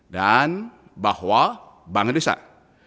dan bahwa bank indonesia terus menurut saya